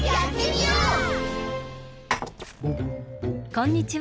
こんにちは。